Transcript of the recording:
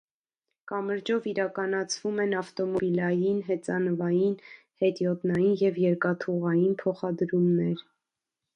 Կամրջով իրականացվում են ավտոմոբիլային, հեծանվային, հետիոտնային և երկաթուղային փոխադրումներ։